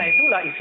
karena itulah isu